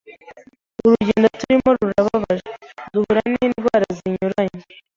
Urugendo turimo rurababaje, duhura n’indwara zinyuranye